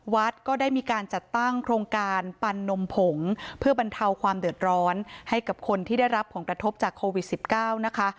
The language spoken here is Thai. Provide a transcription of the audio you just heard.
วัดก็ได้มีการจัดตั้งโครงการปันนมผงเพื่อบรรเทาความเดือดร้อนให้กับคนที่ได้รับผลกระทบจากโควิด๑๙นะคะ